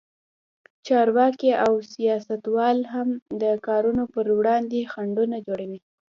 چارواکي او سیاستوال هم د کارونو پر وړاندې خنډونه جوړوي.